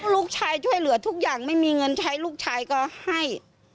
ลูกชายช่วยเหลือทุกอย่างไม่มีเงินใช้ลูกชายก็ให้